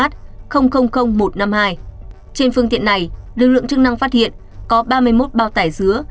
trên phương tiện này lực lượng chức năng phát hiện có ba mươi một bao tải dứa